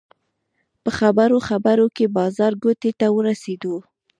په خبرو خبرو کې بازارګوټي ته ورسېدو.